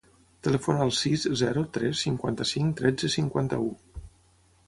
Telefona al sis, zero, tres, cinquanta-cinc, tretze, cinquanta-u.